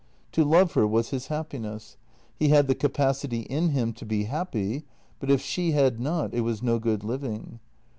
To love her was his happiness; he had the capacity in him to be happy, but if she had not, it was no good living.